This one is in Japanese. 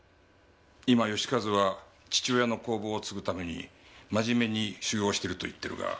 今佳和は父親の工房を継ぐために真面目に修業をしていると言っているが。